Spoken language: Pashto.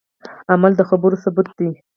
عمل د خبرو ثبوت دی